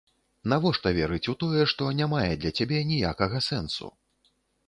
Навошта верыць у тое, што не мае для цябе ніякага сэнсу?